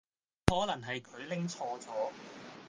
只可能係佢拎錯咗